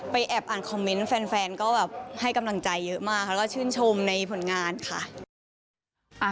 แอบอ่านคอมเมนต์แฟนก็แบบให้กำลังใจเยอะมากแล้วก็ชื่นชมในผลงานค่ะ